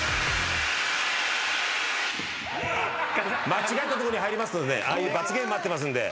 間違ったとこに入りますとああいう罰ゲーム待ってますんで。